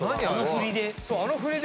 あの振りで。